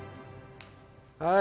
はい